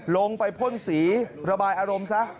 ลงไปพ่นสีระบายอารมณ์ซะ